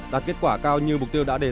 đạt kết quả cao như mục tiêu đã đề ra